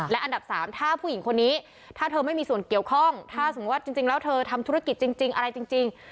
และอันดับสามถ้าผู้หญิงคนนี้ถ้าเธอไม่มีส่วนเกี่ยวข้องถ้าสมมุติว่าจริงแล้วเธอทำธุรกิจจริงอะไรจริง